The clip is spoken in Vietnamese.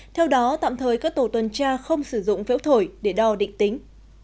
theo đó tạm thời các tổ tuần tra không sử dụng phễu thổi để đo định tính